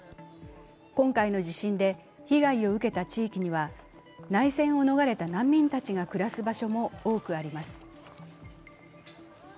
今回の地震で被害を受けた地域には内戦を逃れた難民たちが暮らす場所も多くあります。